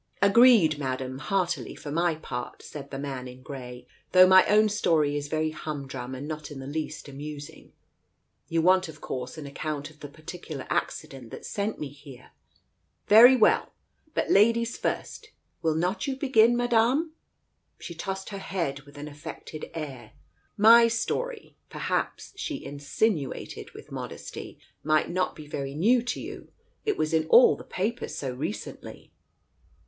"Agreed, Madam, heartily for my part," said the man in grey, "though my own story is very humdrum, and not in the least amusing. You want, of course, an account of the particular accident that sent me here. Very well ! But, ladies first I Will not you begin, Madam?" She tossed her head, with an affected air. "My story, perhaps," she insinuated with modesty, "might not be very new to you. It was in all the papers so recently."